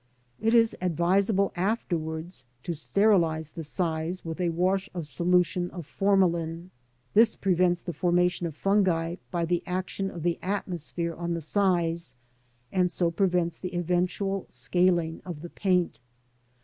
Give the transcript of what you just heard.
It is advisable afterwards to sterilise the size with a wash of a solution of formalin. This prevents the formation of fungi by the action of the atmosphere on the size, and so prevents the eventual scaling of the paint.